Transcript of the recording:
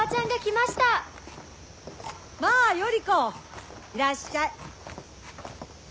まぁ頼子いらっしゃい。